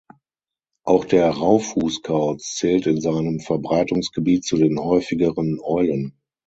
Auch der Raufußkauz zählt in seinem Verbreitungsgebiet zu den häufigeren Eulen.